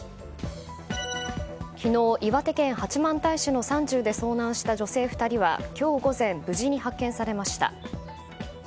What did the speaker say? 昨日、岩手県八幡平市の山中で遭難した女性２人は、今日午前無事に発見されました。